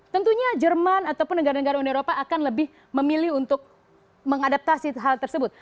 tentunya jerman ataupun negara negara uni eropa akan lebih memilih untuk mengadaptasi hal tersebut